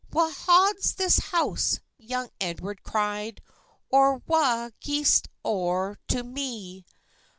"Wha hauds this house?" young Edward cried, "Or wha gi'est o'er to me?"